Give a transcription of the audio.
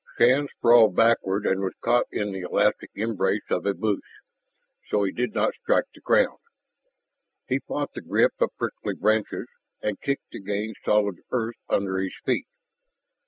Shann sprawled backward and was caught in the elastic embrace of a bush, so he did not strike the ground. He fought the grip of prickly branches and kicked to gain solid earth under his feet.